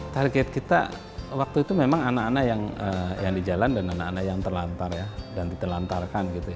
target kita waktu itu memang anak anak yang di jalan dan anak anak yang terlantar ya dan ditelantarkan gitu ya